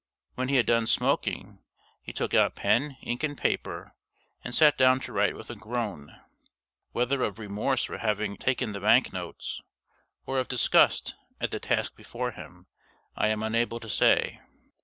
When he had done smoking he took out pen, ink and paper, and sat down to write with a groan whether of remorse for having taken the bank notes, or of disgust at the task before him, I am unable to say.